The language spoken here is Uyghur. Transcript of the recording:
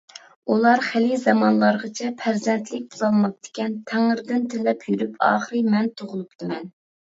ئۇلار خېلى زامانلارغىچە پەرزەنتلىك بولالماپتىكەن، تەڭرىدىن تىلەپ يۈرۈپ ئاخىر مەن تۇغۇلۇپتىمەن.